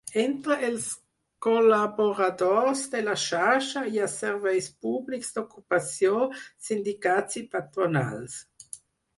Entre els col·laboradors de la xarxa hi ha serveis públics d'ocupació, sindicats i patronals.